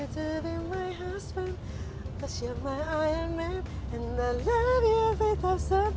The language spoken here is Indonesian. sawah dafa stephanie semuanya ada ya